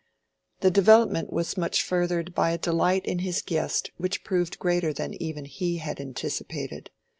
The development was much furthered by a delight in his guest which proved greater even than he had anticipated.